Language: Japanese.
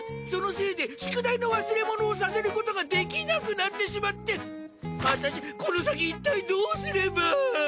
そのせいで宿題の忘れ物をさせることができなくなってしまって私この先いったいどうすれば。